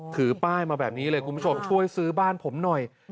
ถือป้ายมาแบบนี้เลยคุณผู้ชมช่วยซื้อบ้านผมหน่อย